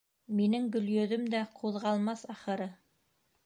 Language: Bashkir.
Минең Гөлйөҙөм дә ҡуҙғалмаҫ, ахыры.